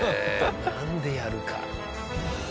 なんでやるか。